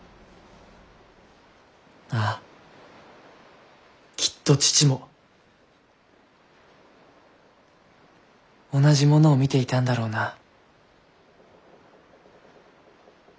ああきっと父も同じものを見ていたんだろうな。